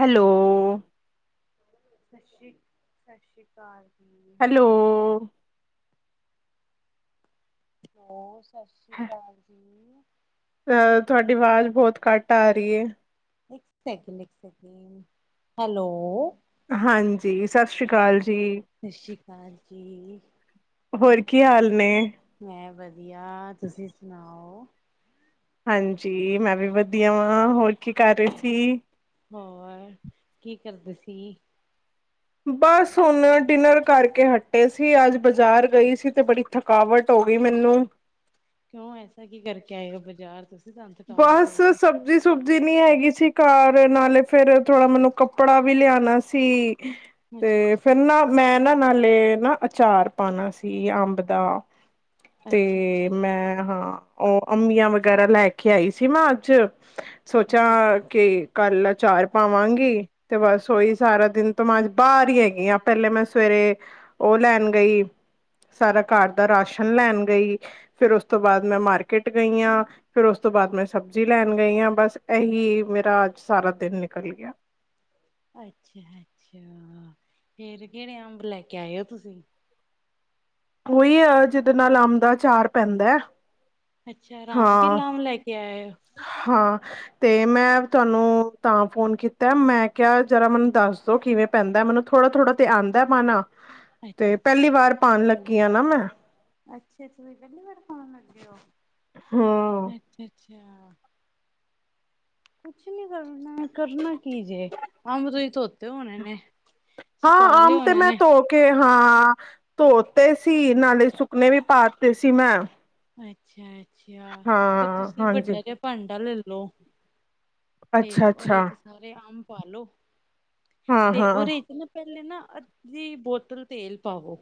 Hello, ਸਤਿ ਸ਼੍ਰੀ ਸਤਿ ਸ਼੍ਰੀ ਅਕਾਲ ਜੀ, ਹੈਲੋ ਹੈਲੋ ਸਤਿ ਸ਼੍ਰੀ ਅਕਾਲ ਜੀ, ਅ ਤੁਹਾਡੀ ਆਵਾਜ਼ ਬਹੁਤ ਘੱਟ ਆ ਰਹੀ ਹੈ। ਇਕ ਸੈਕੰਡ ਇੱਕ ਸੈਕਿੰਡ ਹੈਲੋ, ਹਾਂਜੀ ਸਤਿ ਸ਼੍ਰੀ ਅਕਾਲ ਜੀ, ਸਤਿ ਸ਼੍ਰੀ ਅਕਾਲ ਜੀ, ਹੋਰ ਕੀ ਹਾਲ ਨੇ? ਮੈਂ ਵਧੀਆ, ਤੁਸੀਂ ਸੁਣਾਓ? ਹਾਂਜੀ ਮੈਂ ਵੀ ਵਧੀਆ, ਵਾਂ ਹੋਰ ਕੀ ਕਰ ਰਹੀ ਸੀ? ਹੋਰ ਕੀ ਕਰਦੇ ਸੀ? ਬਸ ਹੁਨ ਡਿਨਰ ਕਰਕੇ ਹਟੇ ਸੀ ਅੱਜ ਬਾਜ਼ਾਰ ਗਈ ਸੀ, ਤੇ ਬੜੀ ਥਕਾਵਟ ਹੋ ਗਈ ਮੈਨੂੰ ਕਿਉਂ ਐਸਾ ਕੀ ਕਰਕੇ ਆਏ ਉ ਬਾਜ਼ਾਰ ਚ- ਬਸ ਸਬਜ਼ੀ ਸੁਬਜੀ ਨੀ ਹੈਗੀ ਸੀ, ਘਰ ਨਾਲੇ ਫੇਰ ਥੋੜਾ ਮੈਨੂੰ ਕੱਪੜਾ ਵੀ ਲਿਆਣਾ ਸੀ। ਅੱਛਾ ਤੇ ਫਿਰ ਨਾ ਮੈਂ ਨਾ ਨਾਲੇ ਨਾ ਅਚਾਰ ਪਾਉਣਾ ਸੀ ਅੰਬ ਦਾ, ਅੱਛਾ ਤੇ ਅੱਛਾ ਮੈਂ ਹਾਂ ਉਹ ਅੰਮੀਆਂ ਵਗੈਰਾ ਲੈ ਕੇ, ਲੈਕੇ ਆਈ ਸੀ ਮੈਂ ਅੱਜ ਸੋਚਿਆ ਅੱਛਾ ਕਿ ਕੱਲ ਆਚਾਰ ਪਾਵਾਂਗੀ। ਤੇ ਬਸ ਉਹੀ ਸਾਰਾ ਦਿਨ ਤਾਂ ਮੈਂ ਅੱਜ ਬਾਹਰ ਹੀ ਹੈਗੀ ਆ, ਪਹਿਲੇ ਮੈਂ ਸਵੇਰੇ ਉਹ ਲੈਣ ਗਈ। ਸਾਰਾ ਘਰ ਦਾ ਰਾਸ਼ਨ ਲੈਣ ਗਈ ਫੇਰ ਉਸ ਤੋਂ ਬਾਅਦ ਮੈਂ ਮਾਰਕੀਟ ਗਈ ਆ। ਫੇਰ ਉਸ ਤੋਂ ਬਾਅਦ ਮੈਂ ਸਬਜ਼ੀ ਲੈਣ ਗਈ ਹਾਂ, ਬਸ ਇਹੀ ਮੇਰਾ ਅੱਜ ਸਾਰਾ ਦਿਨ ਨਿਕਲ ਗਿਆ। ਅੱਛਾ ਅੱਛਾ, ਫੇਰ ਕਿਹੜੇ ਅੰਬ ਲੈ ਕੇ ਆਏ ਹੋ ਤੁਸੀਂ? ਉਹੀ ਆ ਜਿਹਦੇ ਨਾਲ ਅੰਬ ਦਾ ਅਚਾਰ ਪੈਂਦਾ। ਅੱਛਾ ਰਾਮ ਹਾਂ ਕੇਲਾਮ ਲੈ ਕੇ ਆਏ ਓ? ਹਾਂ, ਤੇ ਮੈਂ ਤੁਹਾਨੂੰ ਤਾਂ ਫੋਨ ਕੀਤਾ ਮੈਂ ਕਿਹਾ ਜਰਾ ਮੈਨੂੰ ਦੱਸ ਦੋ ਕਿਵੇਂ ਪੈਂਦਾ ਮੈਨੂੰ ਥੋੜਾ-ਥੋੜਾ ਤੇ ਆਂਦਾ ਪਾਣਾ। ਅੱਛਾ ਤੇ ਅੱਛਾ ਪਹਿਲੀ ਵਾਰ ਪਾਣ ਲੱਗੀ ਆ ਨਾ ਮੈਂ। ਅੱਛਾ-ਅੱਛਾ ਪਹਿਲੀ ਵਾਰ ਪਾਣ ਲੱਗੇ ਹੋ? ਹਾਂ ਅੱਛਾ-ਅੱਛਾ। ਕੁਛ ਨੀ ਕਰਨਾ ਕਰਨਾ ਕੀ ਜੇ, ਆਮਰਈ ਧ ਧੋਤੇ ਹੋਣੇ ਨੇ, ਸੁਕਾ ਲੇ ਹੋਣੇ ਨੇ। ਕਿ ਹਾਂ, ਧੋਤੇ ਸੀ ਨਾਲੇ ਸੁਕਨੇ ਵੀ ਪਾਤੇ ਸੀ ਮੈਂ। ਅੱਛਾ-ਅੱਛਾ ਤੇ ਹਾਂ ਤੁਸੀਂ ਹਾਂਜੀ ਵੱਡਾ ਜਾ ਭਾਂਡਾ ਲੈ ਲੋ, ਤੇ ਅੱਛਾ ਉਹਦੇ ਅੱਛਾ ਚ ਸਾਰੇ ਅੰਬ ਪਾ ਲੋ। ਹਾਂ ਤੇ ਹਾਂ ਉਹਦੇ ਚ ਨਾ ਪਹਿਲੇ ਨਾ ਅੱਧੀ ਬੋਤਲ ਤੇਲ ਪਾਵੋ।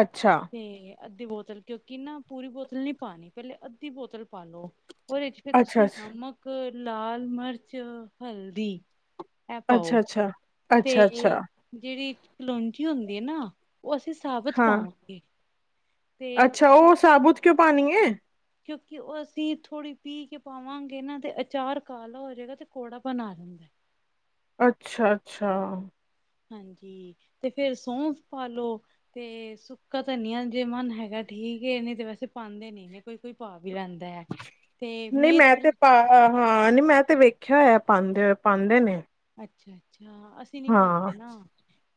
ਅੱਛਾ ਤੇ ਅੱਧੀ ਬੋਤਲ ਕਿਉਂਕਿ ਨਾ ਪੂਰੀ ਬੋਤਲ ਨਹੀਂ ਪਾਣੀ ਪਹਿਲੇ ਅੱਧੀ ਬੋਤਲ ਪਾਲੋ। ਉਹਦੇ ਚ ਫਿਰ ਅੱਛਾ ਤੁਸੀਂ ਨਮਕ, ਲਾਲ ਮਿਰਚ, ਹਲਦੀ ਇਹ ਅੱਛਾ ਅੱਛਾ ਪਾਓ, ਅੱਛਾ ਅੱਛਾ ਤੇ ਅੱਛਾ ਜਿਹੜੀ, ਕਲੋਂਜੀ ਹੁੰਦੀ ਹੈ ਨਾ ਉਹ ਅਸੀਂ ਸਾਬਤ ਹਾਂ ਪਾਵਾਂਗੇ। ਤੇ ਅੱਛਾ ਸੁ ਉਹ ਸਾਬੁਤ ਕਿਉਂ ਪਾਣੀ ਏ? ਕਿਉਂਕਿ ਉਹ ਅਸੀਂ ਥੋੜ੍ਹੀ ਪੀਹ ਕੇ ਪਾਵਾਂਗੇ ਨਾ ਅਤੇ ਅਚਾਰ ਕਾਲਾ ਹੋ ਜਾਵੇਗਾ ਅਤੇ ਕੌੜਾ ਬਣਾ ਲਓ। ਅੱਛਾ-ਅੱਛਾ। ਹਾਂਜੀ, ਤੇ ਫੇਰ ਸੌਂਫ ਪਾ ਲੋ। ਤੇ ਸੁੱਕਾ ਧਨੀਆਂ ਜੇ ਮਨ ਹੈਗਾ ਠੀਕ ਏ ਨਹੀਂ ਤੇ ਵੈਸੇ ਪਾਂਦੇ ਨੀ ਗੇ। ਕੋਈ-ਕੋਈ ਪਾ ਵੀ ਲੈਂਦਾ, ਤੇ ਮੇਤਰ ਹਾਂ-ਹਾਂ ਨੀ ਮੈਂ ਤੇ ਵੇਖਿਆ ਹੋਇਆ ਪਾਂਦੇ ਹੋਏ ਪਾਂਦੇ ਨੇ। ਅੱਛਾ-ਅੱਛਾ ਅਸੀਂ ਨੀ ਹਾਂ ਪਾਂਦੇ ਨਾ।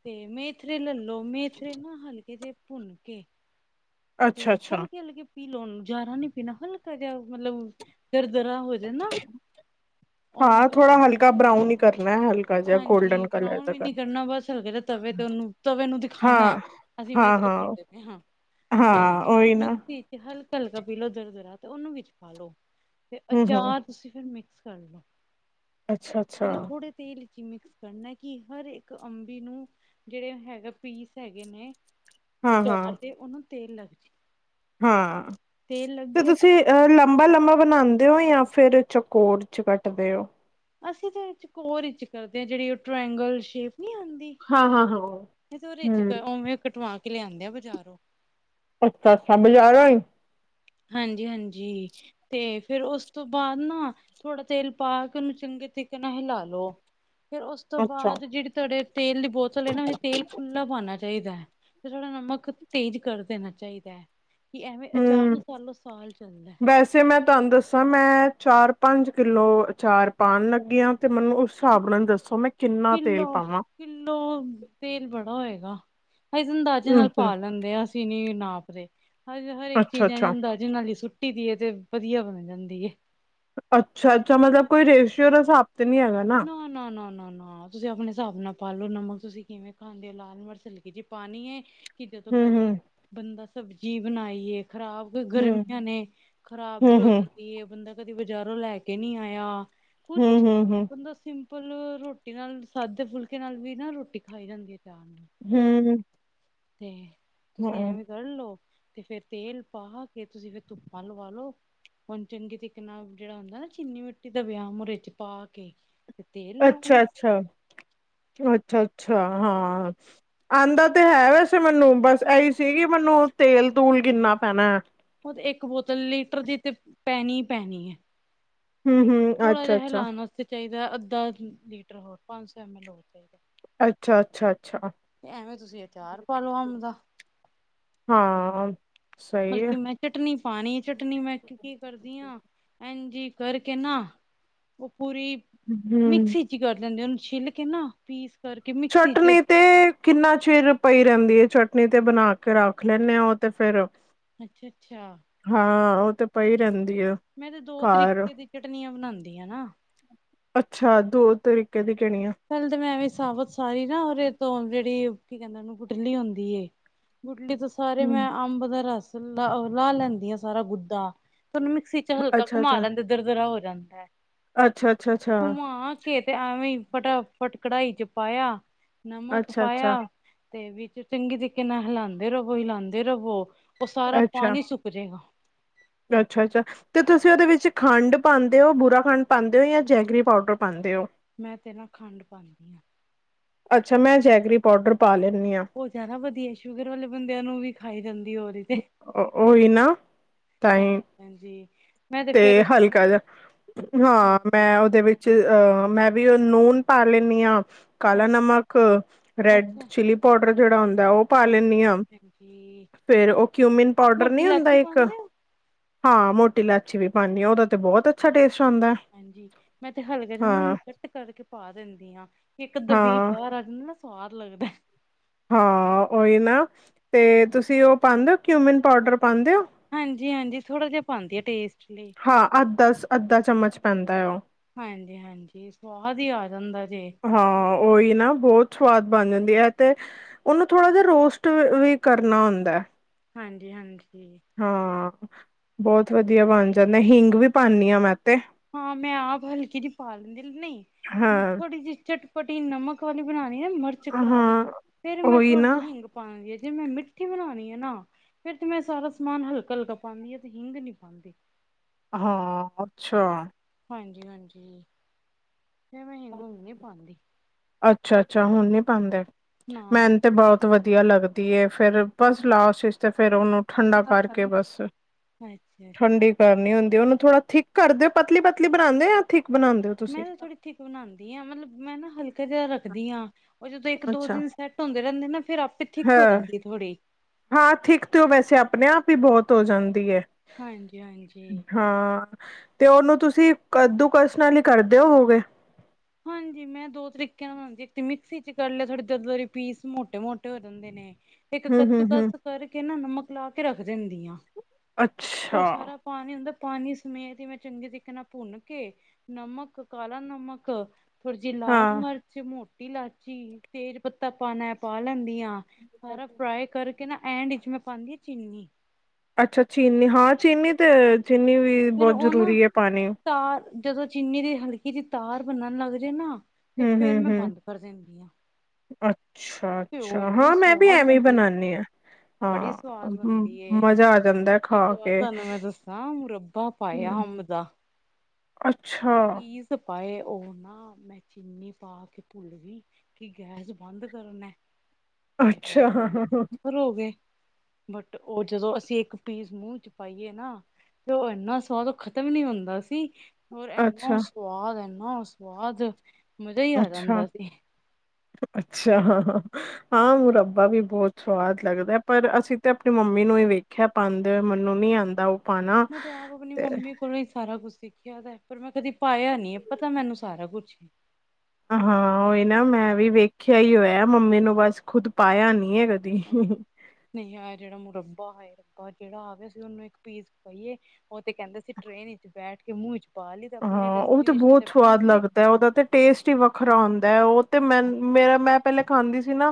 ਤੇ ਮੇਥਰੇ ਲੈ ਲਓ ਮੇਥਰੇ ਨਾ ਹਲਕੇ ਜਿਹੇ ਭੁੰਨ ਕੇ ਤੇ ਅੱਛਾ ਅੱਛਾ ਹਲਕੇ-ਹਲਕੇ ਪੀਹ ਲਓ ਉਹਨੂੰ ਜਿਆਦਾ ਨੀ ਪੀਹਣਾ, ਹਲਕਾ ਜਿਹਾ ਮਤਲਬ ਦਰਦਰਾ ਹੋਜੇ ਨਾ, ਓਵੇਂ ਹਾਂ ਥੋੜਾ ਕਰਲੋ। ਹਲਕਾ ਬਰਾਊਨ ਈ ਕਰਨਾ ਹਲਕਾ ਜਿਹਾ ਹਾਂਜੀ ਗੋਲਡਨ ਕਲਰ ਬਰਾਊਨ ਦਾ ਵੀ ਕਰ ਨੀ ਕਰਨਾ ਬਸ ਹਲਕੇ ਜਿਹੇ ਤਵੇ 'ਤੇ ਉਹਨੂੰ ਤਵੇ ਨੂੰ ਦਿਖਾਨੈਂ। ਹਾਂ ਅਸੀਂ ਹਾਂ ਮੇਥਰੇ ਹਾਂ ਭੁੰਨਦੇ ਪਏ ਹਾਂ। ਹਾਂ ਓਹੀ ਨਾ। ਮਿਕਸੀ ਤੇ ਚ ਹਲਕਾ-ਹਲਕਾ ਪੀਹ ਲਓ ਦਰਦਰਾ ਤੇ ਉਹਨੂੰ ਵਿੱਚ ਪਾ ਲਓ, ਤੇ ਹੂੰ ਹੂੰ ਅਚਾਰ ਤੁਸੀਂ ਫਿਰ ਮਿਕ ਕਰ ਲਓ। ਅੱਛਾ ਅੱਛਾ ਪਹਿਲੇ ਥੋੜੇ ਤੇਲ 'ਚ ਕਿ ਮਿਕਸ ਕਰਨਾ ਕਿ ਹਰ ਇੱਕ ਅੰਬੀ ਨੂੰ ਜਿਹੜੇ ਹੈਗਾ ਪੀਸ ਹੈਗੇ ਨੇ ਹਾਂ ਹਾਂ ਅਚਾਰ 'ਤੇ ਉਨ੍ਹਾਂ ਨੂੰ ਤੇਲ ਲੱਗ ਜੇ। ਹਾਂ, ਤੇਲ ਲੱਗ ਤੇ ਤੁਸੀਂ ਗਿਆ ਅ ਲੰਬਾ-ਲੰਬਾ ਬਣਾਦੇ ਓ ਜਾਂ ਫਿਰ ਚਕੋਰ 'ਚ ਕੱਟਦੇ ਓ? ਅਸੀਂ ਤੇ ਚਕੋਰ 'ਚ ਕਰਦੇ ਹਾਂ ਜਿਹੜੀ ਉਹ ਟਰਾਇੰਗਲ ਸ਼ੇਪ ਨੀ ਆਉਂਦੀ। ਹਾਂ ਹਾਂ ਹਾਂ ਫਿਜ਼ਰ 'ਚ ਹੂੰ ਉਵੇਂ ਕਟਵਾ ਕੇ ਲਿਆਂਦੇ ਆ ਬਜ਼ਾਰੋਂ। [unintelligible] ਬਜ਼ਾਰੋ ਈ। ਹਾਂਜੀ-ਹਾਂਜੀ, ਤੇ ਫਿਰ ਉਸ ਤੋਂ ਬਾਅਦ ਨਾ ਥੋੜ੍ਹਾ ਤੇਲ ਪਾ ਕੇ ਉਹਨੂੰ ਚੰਗੇ ਤਰੀਕੇ ਨਾਲ ਹਿਲਾ ਲਓ। ਫਿਰ ਉਸ ਤੋਂ ਅੱਛਾ ਬਾਅਦ ਜਿਹੜੀ ਤੁਹਾਡੇ ਤੇਲ ਦੀ ਬੋਤਲ ਹੈ ਨਾ ਤੇਲ ਖੁੱਲ੍ਹਾ ਪਾਨੈ। ਚਾਹੀਦੈ, ਤੇ ਥੋੜ੍ਹਾ ਨਮਕ ਤੇਜ਼ ਕਰ ਦੇਣਾ ਚਾਹੀਦੈ, ਕਿ ਐਵੇਂ ਅਚਾਰ ਹੂੰ ਨੂੰ ਦੋ ਸਾਲ ਚੱਲਦਾ। ਵੈਸੇ ਮੈਂ ਤੁਹਾਨੂੰ ਦੱਸਾਂ ਮੈਂ ਚਾਰ-ਪੰਜ ਕਿੱਲੋ ਅਚਾਰ ਪਾਉਣ ਲੱਗੀ ਆ ਤੇ ਮੈਨੂੰ ਉਸ ਹਿਸਾਬ ਨਾਲ ਦੱਸੋ, ਮੈਂ ਕਿੰਨਾ ਤੇਲ ਕਿੱਲੋ ਪਾਵਾਂ? ਕਿੱਲੋ ਤੇਲ ਬੜਾ ਹੋਏਗਾ, ਅਸੀਂ ਤਾਂ ਅੰਦਾਜ਼ੇ ਹਮ ਨਾਲ ਹਮ ਪਾ ਲੈਂਦੇ ਆ। ਕਿੰਨੀ ਵੇਰ ਨਾਪਦੇ ਹਰ ਹਰੇਕ ਅੱਛਾ ਚੀਜ਼ਾਂ ਦਾ ਅੱਛਾ ਅੰਦਾਜਾ ਜਿਹਨਾਂ ਦੀ ਸੁੱਟੀ ਵੀ ਏ, ਤੇ ਵਧੀਆ ਹੋ ਜਾਂਦੀ ਏ। ਅੱਛਾ - ਅੱਛਾ, ਮਤਲਬ ਕੋਈ ਰੇਸ਼ਓ ਦਾ ਹਿਸਾਬ ਤੇ ਨੀ ਹੈਗਾ ਨਾ? ਨਾ, ਨਾ, ਨਾ, ਨਾ, ਨਾ। ਤੁਸੀਂ ਆਪਣੇ ਹਿਸਾਬ ਨਾਲ ਪਾ ਲਓ। ਨਮਕ ਤੁਸੀਂ ਕਿਵੇਂ ਖਾਂਦੇ ਹੋ? ਲਾਲ ਮਰਚ ਹਲਕੀ ਜਿਹੀ ਪਾਣੀ ਏ। ਕਿ ਜਦੋਂ ਹਮ ਕਦੀ, ਬੰਦਾ ਸਬਜ਼ੀ ਬਣਾਈਏ ਖ਼ਰਾਬ ਹਮ ਗਰਮੀਆਂ ਨੇ, ਖ਼ਰਾਬ ਵੀ ਹੋ ਹਮ ਜਾਂਦੀ ਏ। ਬੰਦਾ ਕਦੀ ਬਜਾਰੋ ਲੈ ਕੇ ਨਹੀਂ ਆਇਆ। ਹਮ ਹਮ ਕੁੱਛ ਵੇ ਹਮ ਹਮ ਜਦੋਂ ਸਿੰਪਲ ਰੋਟੀ ਨਾਲ, ਸਾਦੇ ਫੁਲਕੇ ਨਾਲ ਵੀ ਨਾ, ਰੋਟੀ ਖਾਈ ਜਾਂਦੀ ਹੈ ਚਾਅ ਨਾਲ। ਹੂੰ-ਹੂੰ ਤੇ ਤੁਸੀਂ ਐਵੇਂ ਤਲ ਲਓ, ਤੇ ਫਿਰ ਤੇਲ ਪਾ ਕੇ ਤੁਸੀਂ ਫਿਰ ਧੁੱਪਾ ਲਵਾ ਲੋ। ਹੁਣ ਚੰਗੇ ਤਰੀਕੇ ਨਾਲ ਜਿਹੜਾ ਹੁੰਦਾ ਨਾ ਚੀਨੀ ਮਿੱਟੀ ਦਾ ਵਿਆਹ ਮੁਹਰੇ ਚ ਪਾ ਕੇ ਤੇ ਤੇਲ ਲਾਉਣ ਅੱਛਾ-ਅੱਛਾ। ਅੱਛਾ-ਅੱਛਾ ਹਾਂ, ਆਂਦਾ ਤੇ ਹੈ ਵੈਸੇ ਮੈਨੂੰ ਬਸ ਇਹੀ ਸੀ ਕਿ ਮੈਨੂੰ ਤੇਲ - ਤੂਲ ਕਿੰਨਾ ਪੈਣਾ। ਉਹ ਤੇ ਇੱਕ ਬੋਤਲ ਲੀਟਰ ਦੀ ਤੇ ਪੈਣੀ ਹੀ ਪੈਣੀ ਐ। ਹੂੰ, ਹੂੰ। ਥੋੜ੍ਹਾ ਜਿਹਾ ਹੈਲਾਨਾ ਤਾਂ ਚਾਹੀਦਾ, ਅੱਧਾ ਲੀਟਰ ਹੋਰ, ਪੰਜ ਸੌ ਐਮ, ਐਲ, ਹੋ ਚਾਹੀਦਾ। ਅੱਛਾ -ਅੱਛਾ- ਅੱਛਾ। ਐਵੇਂ ਤੁਸੀਂ ਅਚਾਰ ਪਾ ਲਓ ਅੰਬ ਦਾ। ਹਾਂ ਸਹੀ ਹੈ ਬਲਕਿ ਮੈਂ ਚਟਨੀ ਪਾਣੀ ਏ, ਚਟਨੀ ਮੈਂ ਕੀ ਕਰਦੀ ਆ, ਐੰਜ ਈ ਕਰਕੇ ਨਾ ਉਹ ਪੂਰੀ ਹਮ ਮਿਕਸੀ 'ਚ ਹੀ ਕਰ ਦਿੰਦੇ ਐ। ਉਹਨੂੰ ਛਿੱਲ ਕੇ ਨਾ, ਪੀਸ ਕਰਕੇ, ਮਿਕਸੀ 'ਚ ਚਟਨੀ ਤੇ ਕਿੰਨ੍ਹਾ ਚਿਰ ਪਈ ਰਹਿੰਦੀ ਹੈ ਚਟਨੀ? ਤੇ ਬਣਾ ਕੇ ਰੱਖ ਲੈਂਨੇ ਆ ਉਹ, ਤੇ ਫਿਰ ਅੱਛਾ - ਅੱਛਾ। ਹਾਂ ਉਹ ਤਾਂ ਪਈ ਰਹਿੰਦੀ ਆ ਮੈਂ ਤੇ ਦੋ ਤਰੀਕੇ ਦੀ ਚਟਨੀਆਂ ਬਣਾਉਂਦੀ ਆ ਨਾ। ਅੱਛਾ ਦੋ ਤਰੀਕੇ ਦੀ ਕੇੜੀਆ। ਪੈਲੇ ਤੇ ਮੈਂ ਐਵੈ ਈ ਸਾਬਤ ਸਾਰੀ ਨਾ [unintelligible] ਓਦੇ ਤੋ, ਜੇੜੀ ਕੀ ਕੈਂਦੇ ਓਨੂੰ ਗੁਟਲੀ ਓਂਦੀ ਏ, ਗੁਟਲੀ ਤੋ ਸਾਰੇ ਹਮ ਮੈਂ ਆੰਬ ਦਾ ਰਾੱਸ ਲਾ ਓ ਲੈਂਦੀ ਆ ਸਾਰਾ ਗੁੱਦਾ ਫੇਰ ਓਨੂ ਮਿਕਸੀ ਚ ਹਲਕਾ ਅੱਛਾ ਘੁਮਾ ਅੱਛਾ ਲੈਂਦੇ। ਦਰਦਰਾ ਓ ਜਾਂਦੈ ਅੱਛਾ ਅੱਛਾ ਅੱਛਾ ਘੁੰਮਾ ਕੇ ਤੇ ਐਵੇਂ ਈ ਫਟਾ, ਫਟ ਕੜਾਈ ਚ ਪਾਯਾ, ਅੱਛਾ ਨਮਕ ਅੱਛਾ ਪਾਯਾ ਤੇ ਵਿੱਚ ਚੰਗੀ ਤੀਕੇ ਨਾਲ ਹਿਲਾਂਦੇ ਰਵੋ, ਹਿਲਾਂਦੇ ਰਵੋ ਓ ਸਾਰਾ ਪਾਨੀ ਸੁੱਕ ਜੇਗਾ। ਅੱਛਾ-ਅੱਛਾ। ਤੇ ਤੁਸੀਂ ਉਹਦੇ ਵਿੱਚ ਖੰਡ ਪਾਂਦੇ ਹੋ, ਬੁਰਾ ਖੰਡ ਪਾਂਦੇ ਹੋ ਜਾਂ ਜੈਗਰੀ ਪਾਊਡਰ ਪਾਂਦੇ ਹੋ। ਮੈਂ ਤੇ ਨਾ ਖੰਡ ਪਾਨੀਂ ਆ। ਅੱਛਾ, ਮੈਂ ਜੈਗਰੀ ਪਾਊਡਰ ਪਾਲੈਣੀ ਆਂ। ਉਹ ਜਿਆਦਾ ਵਧੀਆ, ਸ਼ੂਗਰ ਵਾਲੇ ਬੰਦਿਆਂ ਨੂੰ ਵੀ ਖਾਈ ਜਾਂਦੀ ਹੋਰ। ਅ ਔਈ ਨਾ ਹਾਂ ਤਾਂਹੀ, ਹਾਂਜੀ ਮੈਂ ਫੇਰ ਤੇ ਉਸ ਤੋਂ ਹਲਕਾ ਜਿਹਾ ਹਾਂ। ਹਾਂਜੀ ਮੈਂ ਉਹਦੇ ਵਿੱਚ 'ਚ ਮੈਂਵੀ ਔ ਨੂਨ ਪਾ ਲੈਣੀ ਆ। ਕਾਲਾ ਅੱਛਾ ਨਮਕ, ਰੈਡ ਅੱਛਾ ਚਿਲੀ ਪਾਊਡਰ ਜਿਹੜਾ ਹੁੰਦਾ ਉਹ। ਹਾਂਜੀ [unintelligible] ਹਾਂਜੀ ਫਿਰ ਉਹ ਕਿਊਮੀਨ ਪਾਊਡਰ ਮੋਟੀ ਨੀ ਹੁੰਦਾ ਇਲਾਚੀ ਇੱਕ। ਪਾਉਂਦੇ ਹੋ ਹਾਂ, ਮੋਟੀ ਇਲਾਇਚੀ ਵੀ ਪਾਣੀ ਉਹਦਾ ਤੇ ਬਹੁਤ ਅੱਛਾ ਟੇਸਟ ਆਂਦਾ। ਹਾਂਜੀ, ਮੈਂ ਤੇ ਹਲਕੇ ਜਿਹੇ ਨੂੰ ਕੱਟ ਕਰਕੇ ਪਾ ਦਿੰਦੀ ਹਾਂ ਇੱਕ ਦਬੀਹ ਹਾਂ ਬਾਹਰ ਆ। ਹੁਣ ਨਾ ਸਵਾਦ ਲੱਗਦਾ ਹਾਂ, ਔਹੀ ਨਾ ਤੇ ਹਾਂ। ਤੁਸੀਂ ਉਹ ਪਾਂਦੇ ਓ ਕਿਊਮਿਨ ਪੋਡਰ ਪਾਂਦੇ ਔ ਹਾਂਜੀ-ਹਾਂਜੀ, ਥੋੜਾ ਜਿਹਾ ਪਾਂਦੀ ਆ ਟੇਸਟ ਲਈ। ਹਾਂ, ਅੱਧਾ-ਅੱਧਾ ਚਮਚ ਪੈਂਦਾ ਓ ਹਾਂਜੀ-ਹਾਂਜੀ ਸਵਾਦ ਈ ਆ ਜਾਂਦਾ ਜੇ। ਹਾਂ, ਔਈ ਨਾ ਬੋਤ ਸਵਾਦ ਬਣ ਜਾਂਦੀ ਐ ਤੇ। ਉਨੂ ਥੋੜ੍ਹਾ ਜਿਹਾ ਰੋਸਟ ਵੀ ਕਰਨਾ ਹੁੰਦਾ। ਹਾਂਜ-ਹਾਂਜੀ। ਹਾਂ, ਬੋਤ ਵਦੀਆ ਬਨ ਜਾਂਦੈ, ਹੀੰਗ ਵੀ ਪਾਨੀ ਆ ਮੈਂ ਤੇ ਹਾਂ, ਮੈਂ ਆਪ ਹਲਕੀ ਜੀ ਪਾ ਲੈਂਦੀ, ਨਈ ਹਾਂ ਥੋੜੀ ਜੀ ਚਟ ਪਟੀ ਨਮਕ ਵਾਲੀ ਬਨਾਣੀ ਹੈ। ਮਰਚ ਕਰਾਰੀ ਹਾਂ ਫੇਰ ਮੈਂ ਉਹੀ ਥੋੜੀ ਨਾ ਜੀ ਹਿੰਗ। ਆਪਾਂ ਜੇ ਮੈਂ ਮਿੱਠੀ ਬਨਾਣੀ ਏਨਾ। ਫੇਰ ਤੇ ਮੈਂ ਸਾਰਾ ਸਮਾਨ ਹਲਕਾ-ਹਲਕਾ ਪਾਣੀਆ ਤੇ ਹਿੰਗ ਨੀ ਪਾਦੀ। ਹਾਂ ਅੱਛਾ। ਹਾਂਜੀ- ਹਾਂਜੀ ਫਿਰ ਮੈਂ ਘੁੰਮ ਨੀ ਪਾਉਂਦੀ। ਅੱਛਾ-ਅੱਛਾ ਹੁਣ ਨੀ ਪਾਉਂਦੇ ਨਾ ਮੈਨ ਤੇ ਬਹੁਤ ਬਹੁਤ ਵਧੀਆ ਲੱਗਦੀ ਐ ਫੇਰ ਬਸ ਲਾਸਟ ਚ ਤੇ ਫੇਰ ਉਹਨੂੰ ਠੰਡਾ ਕਰਕੇ ਬਸ। ਅੱਛਾ ਅੱਛਾ ਠੰਡੀ ਕਰਨੀ ਹੁੰਦੀ ਉਨੂ ਉਹ ਥੋੜਾ ਥਿੱਕ ਕਰ ਦੇਓ ਪਤਲੀ-ਪਤਲੀ ਬਣਾਦੇ ਯਾਂ ਥਿੱਕ ਬਣਾ ਮੈਂ ਤਾਂ ਥੋੜ੍ਹੀ ਥਿੱਕ ਬਣਾਦੀ ਆ ਮਤਲਬ, ਮੈਂ ਨਾ ਹਲਕਾ ਜਿਹਾ ਰੱਖਦੀ ਆ ਉਹ ਜਦੋਂ ਇੱਕ-ਦੋ ਦਿਨ ਸੈਂਟ ਹੁੰਦੇ ਰੈਂਦੇ ਨੇ ਨਾ ਫੇਰ ਆਪੇ ਥਿੱਕ ਹੋ ਜਾਂਦੀ ਹੈ ਥੋੜ੍ਹੀ ਹਾਂ-ਹਾਂ, ਥਿੱਕ ਤੇਔ ਵੈਸੇ ਆਪਣੇ ਆਪ ਹੀ ਬੋਹਤ ਹੋ ਜਾਂਦੀ ਐ। ਹਾਂਜੀ ਹਾਂਜੀ ਹਾਂ। ਤੇ ਔਨੂੰ ਤੂਸੀ ਕੱਦੂ ਕੱਸ ਨਾਲ ਈ ਕਰਦੇ ਹੋਵੋਗੇ? ਹਾਂਜੀ, ਮੈਂ ਦੋ ਤਰੀਕੇ ਨਾਲ ਹਾਂਜੀ, ਇਕ ਤੇ ਮਿਕਸੀ ਚ ਕਾਰ ਲੇਆ, ਥੋੜੇ ਦਰ-ਦਰੇ ਪੀਸ ਮੋਟੇ-ਮੋਟੇ ਹੋ ਜਾਂਦੇ ਨੇ ਇੱਕ ਹਮ ਹਮ ਹਮ ਕੱਦੂਕਸ ਕਰਕੇ ਨਾ ਨਮਕ ਲਾ ਕੇ ਰੱਖ ਦੇਂਦੀ ਆਂ, ਓ ਅੱਛਾ ਸਾਰਾ ਪਾਣੀ ਹੁੰਦਾ ਪਾਣੀ ਸਮੇਤ ਹੀ। ਮੈਂ ਚੰਗੇ ਤਰੀਕੇ ਨਾਲ ਭੁੰਨ ਕੇ ਨਮਕ, ਕਾਲਾ ਨਮਕ ਨਮਕ ਥੋੜੀ ਜਿਹੀ ਲਾਲ ਹਾਂ ਮਰਚ ਮੋ ਸੌਟੀ ਲਾਚੀ, ਤੇਜ਼ ਪੱਤਾ ਪਾਣਾ ਪਾ ਲੈਂਨੀਆ ਸਾਰਾ ਫਰਾਈ ਕਰ ਨਾ ਐਂਡ ਇਚ ਮੈਂ ਪਾਦੀ ਚੀਨੀ। ਅੱਛਾ, ਚੀਨੀ ਹਾਂ ਚੀਨੀ ਤੇ ਚੀਨੀ ਵੀ ਬਹੁਤ ਜ਼ਰੂਰੀ ਹੈ ਪਾਣੀ। ਤਾਂ, ਜਦੋਂ ਚੀਨੀ ਦੀ ਹਲਕੀ ਦੀ ਤਾਰ ਬੰਨਣ ਲੱਗ ਜਾਏ ਨਾ ਤੇ ਫੇਰ, ਮੈਂ ਬੰਦ ਕਰ ਦਿੰਦੀ ਹਾਂ। ਅੱਛਾ-ਅੱਛਾ ਹਾਂ ਮੈਂ ਵੀ ਸਵਾਦ ਐਵੇਂ ਬਣਦੀ ਬਣਾਉਦੀ ਹਾਂ। ਬੜੀ ਸਵਾਦ ਬਣਦੀ ਹਾਂ ਏ, ਮਜ਼ਾ ਆ ਜਾਂਦਾ ਖਾ ਇੱਕ ਵਾਰ ਕੇ ਤੁਹਾਨੂੰ ਮੈਂ ਦੱਸਾਂ ਮੁਰੱਬਾ ਪਾਇਆ ਹਮ ਦਾ। ਅੱਛਾ ਕਿ ਚੀਜ਼ ਪਾਏ, ਉਹ ਨਾ ਮੈਂ ਚੀਨੀ ਪਾ ਕੇ ਭੁੱਲ ਗਈ। ਕਿ ਗੈਸ ਬੰਦ ਕਰਨਾ? ਹਾਏ-ਹਾਏ ਅੱਛਾ ਫ਼ਿਰ ਪੱਥਰ ਹੋ ਗਏ। ਬਟ, ਉਹ ਜਦੋਂ ਅਸੀਂ ਇੱਕ ਪੀਸ ਮੂੰਹ ਚ ਪਾਈਏ ਨਾ ਤੇ ਉਹ ਇਨਾ ਸਵਾਦ ਖਤਮ ਨਹੀਂ ਹੁੰਦਾ ਸੀ। ਹੋਰ ਏਹਨਾ ਅੱਛਾ ਸਵਾਦ-ਏਹਨਾ ਸਵਾਦ ਮਜ਼ਾ ਹੀ ਆ ਜਾਂਦਾ ਸੀ। ਅੱਛਾ-ਅੱਛਾ ਹਾਂ, ਮੁਰੱਬਾ ਵੀ ਬਹੁਤ ਸਵਾਦ ਲੱਗਦਾ ਪਰ ਅਸੀਂ ਤੇ ਆਪਣੀ ਮੰਮੀ ਨੂੰ ਹੀ ਵੇਖਿਆ। ਪੰੰਦ ਮਨੂੰ ਨੀ ਆਉਂਦਾ ਉਹ ਪਾਉਣਾ ਮੈਂ ਤੇ ਆਪ ਆਪਣੀ ਤੇ ਮੰਮੀ [unintelligible] ਹੀ ਸਾਰਾ ਕੁਛ ਸਿੱਖਿਆ ਦਾ ਪਰ ਮੈਂ ਕਦੀ ਪਾਇਆ ਨੀ ਹੈ ਪਤਾ ਮੈਨੂੰ ਸਾਰਾ ਕੁਛ। ਹਾਂ ਉਹੀ, ਨਾ ਮੈਂ ਵੀ ਵੇਖਿਆ ਹੀ ਹੋਇਆ ਮੰਮੀ ਨੂੰ ਬਸ ਖੁਦ ਪਾਇਆ ਨੀ ਹੈਗਾ। ਹੀ-ਹੀ ਨਹੀਂ ਆ ਜਿਹੜਾ ਮੁਰੱਬਾ ਆਏ ਰੱਬਾ ਜਿਹੜਾ ਆਵੇ ਸੀ ਉਹਨੂੰ ਇੱਕ ਪੀਸ ਪਾਈਏ। ਉਹ ਤੇ ਕਹਿੰਦੇ ਸੀ ਟ੍ਰੇਨ ਵਿੱਚ ਬੈਠ ਕੇ ਮੂੰਹ ਚ ਪਾ ਲਈ ਤੇ ਆਪਣੇ ਹਾਂ ਉਹ ਡੈਸਟੀਨੇਸ਼ਨ ਤੇ ਬਹੁਤ ਪਹੁੰਚ ਸਵਾਦ ਗਏ। ਲੱਗਦਾ ਉਹਦਾ ਤੇ ਟੇਸਟ ਹੀ ਵੱਖਰਾ ਹੁੰਦਾ ਉਹ ਤੇ ਮੈਂ ਮੇਰਾ ਮੈਂ ਪਹਿਲੇ ਖਾਂਦੀ ਸੀ ਨਾ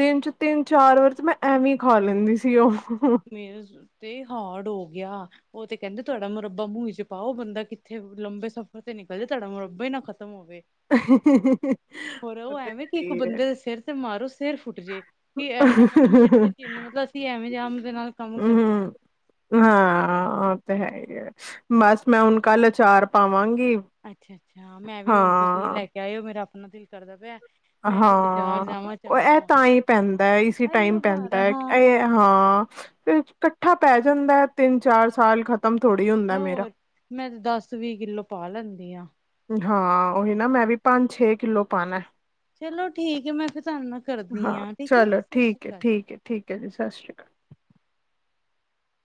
ਦਿਨ ਚ ਤਿੰਨ-ਚਾਰ ਵਾਰ ਚ ਮੈਂ ਐਵੇਂ ਹੀ ਖਾ ਲੈਂਦੀ ਸੀ। ਉਹ ਮੇਰੇ ਤੇ ਹਾਰਡ ਹੋ ਗਿਆ। ਉਹ ਤੇ ਕਹਿੰਦੇ ਤੁਹਾਡਾ ਮੁਰੱਬਾ ਮੁੂੰਹ ਚ ਪਾਓ ਬੰਦਾ ਕਿੱਥੇ ਲੰਬੇ ਸਫ਼ਰ ਤੇ ਨਿਕਲਦਾ ਤੁਹਾਡਾ ਮੁਰੱਬਾ ਹੀ ਨਾ ਖਤਮ ਹੋਵੇ। ਹੋਰ ਉਹ ਔਹ ਤੇ ਐਵੇਂ ਹੈ ਕਿ ਇੱਕ ਹੀ ਹੈ ਬੰਦੇ ਦੇ ਸਿਰ ਤੇ ਮਾਰੋ ਸਿਰ ਫੁੱਟ ਜੇ। ਕਿ ਇਨਾ ਮਤਲਬ [unintelligible] ਮਤਲਬ ਅਸੀਂ ਐਵੇਂ ਜਾਨ ਦੇ ਨਾਲ ਕੰਮ ਕਰਦੇ ਹਾਂ ਅਹਹਹਹ। ਹਾਂਅਅ ਔ ਤੇ ਹੈ ਹੀ ਹੈ ਬਸ ਮੈਂ ਹੁਣ ਕੱਲ ਅਚਾਰ ਪਾਵਾਂਗੀ। ਅੱਛਾ -ਅੱਛਾ ਮੈਂ ਵੀ ਹੁਣ ਤੁਸੀਂ ਹਾਂ ਲੈ ਕੇ ਆਏ ਹੋ, ਮੇਰਾ ਆਪਣਾ ਦਿਲ ਕਰਦਾ ਪਿਆ। ਮੈਂ ਵੀ ਬਾਜ਼ਾਰ ਹਾਂਅਅ, ਜਾਵਾਂ ਔਹ ਚਾਰ ਏ ਲਿਆਵਾਂ ਤਾਂ ਈ ਪੈਂਦਾ ਇਸੀ ਟਾਈਮ ਇਹੀਓ ਭਾਰ ਪੈਂਦਾ ਹੈ ਹਾਂ ਇਹ ਹਾਂ, ਤੇ ਇਕੱਠਾ ਪੈ ਜਾਂਦਾ ਹੈ ਤਿੰਨ ਚਾਰ ਸਾਲ [unintelligible] ਥੜੀ ਹੋਰ ਮੈਂ ਤੇ ਦਸ ਵੀਹ ਕਿੱਲੋ ਪਾ ਲੈਂਦੀ ਹਾਂ। ਹਾਂ ਔਹੀ ਨਾ ਮੈਂ ਵੀ ਪੰਜ ਛੇ ਕਿੱਲੋ ਪਾਣਾ। ਚਲੋ ਠੀਕ ਹੈ ਮੈਂ ਫਿਰ ਤੁਹਾਨੂੰ ਨਾਲ ਕਰਦੀ ਹਾਂ ਠੀਕ ਹੈ ਜੀ ਚਲੋ ਸਸਸ਼੍ਰੀ ਠੀਕ ਹੈ ਕਾਲ। ਠੀਕ ਹੈ ਠੀਕ ਹੈ ਜੀ ਸਸਸ਼੍ਰੀ ਕਾਲ।